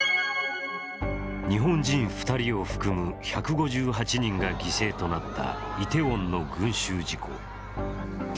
日本人２人を含む１５８人が犠牲となったイテウォンの群衆事故。